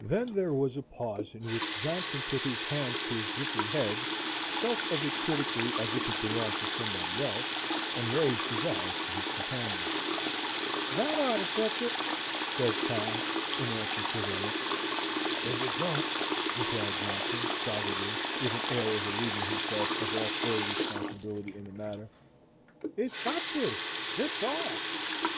Then there was a pause in which Johnson put his hands to his dripping head, felt of it critically as if it belonged to somebody else, and raised his eyes to his companion. "That ought to fetch IT," said Tom, in answer to the look. "Ef it don't," replied Johnson, doggedly, with an air of relieving himself of all further responsibility in the matter, "it's got to, thet's all!"